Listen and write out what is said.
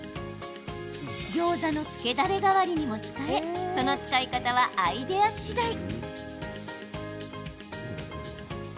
ギョーザのつけだれ代わりにも使えその使い方はアイデアしだい。